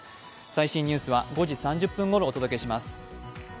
最新ニュースは５時３０分ごろお届けします。